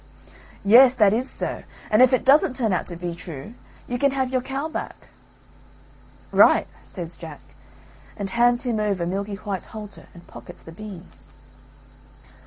"Yes, that is so, and if it doesn't turn out to be true you can have your cow back." "Right," says Jack, and hands him over Milky white's halter and pockets the beans.